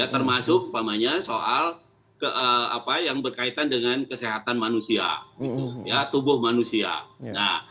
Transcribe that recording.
termasuk soal apa yang berkaitan dengan kesehatan manusia tubuh manusia